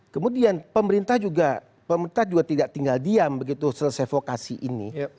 kemudian pemerintah juga pemerintah juga tidak tinggal diam begitu selesai vokasi ini